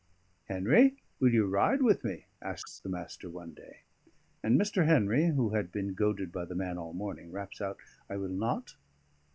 "Henry, will you ride with me?" asks the Master one day. And Mr. Henry, who had been goaded by the man all morning, raps out: "I will not."